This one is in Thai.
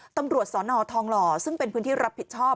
ตำรวจสนทองหล่อซึ่งเป็นพื้นที่รับผิดชอบ